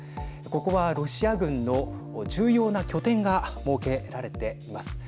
ここはロシア軍の重要な拠点が設けられています。